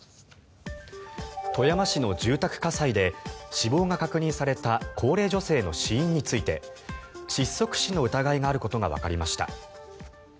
富山市の住宅火災で死亡が確認された高齢女性の死因について窒息死の疑いがあることがわかりました。